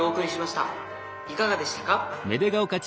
いかがでしたか？